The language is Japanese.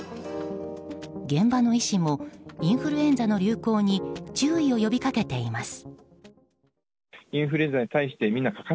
現場の医師もインフルエンザの流行に注意を呼び掛けています。